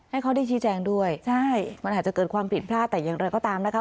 ให้เขาได้ชี้แจงด้วยใช่มันอาจจะเกิดความผิดพลาดแต่อย่างไรก็ตามนะคะ